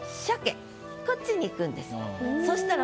こっちにいくんです。